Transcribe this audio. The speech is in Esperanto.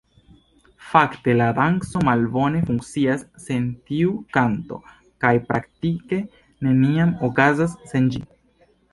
Fakte la danco malbone funkcias sen tiu kanto, kaj praktike neniam okazas sen ĝi.